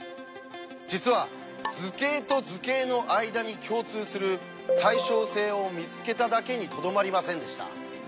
実は図形と図形の間に共通する対称性を見つけただけにとどまりませんでした。